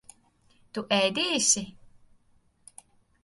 Tu ēdīsi?